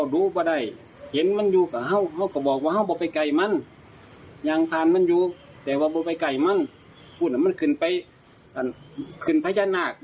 ขึ้นพระยะนักมันกลับไปฝอดนั่นมันทั้งพระยะนัก